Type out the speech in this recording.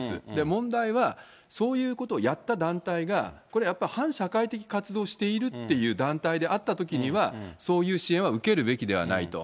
問題は、そういうことをやった団体がやっぱ反社会的活動をしているという団体であったときには、そういう支援は受けるべきではないと。